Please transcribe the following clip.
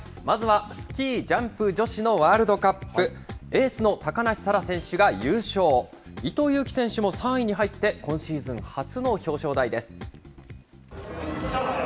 まずはスキージャンプ女子のワールドカップ、エースの高梨沙羅選手が優勝、伊藤有希選手も３位に入って、今シーズン初の表彰台です。